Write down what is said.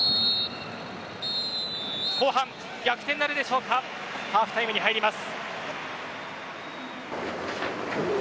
後半、逆転なるでしょうかハーフタイムに入ります。